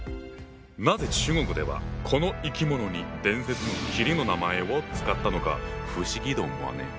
なぜ中国ではこの生き物に伝説の麒麟の名前を使ったのか不思議と思わねえ？